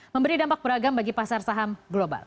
memberi dampak beragam bagi pasar saham global